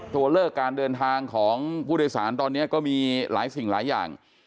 ตัวเลิกการเดินทางของผู้โดยสารตอนนี้ก็มีหลายสิ่งหลายอย่าง